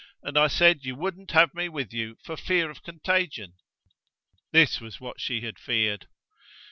And I said you wouldn't have me with you for fear of contagion!" This was what she had feared.